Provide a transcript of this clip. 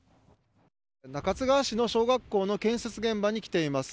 中津川市の小学校の建設現場に来ています。